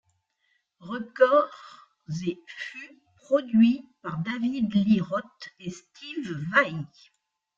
Records et fut produit par David Lee Roth et Steve Vai.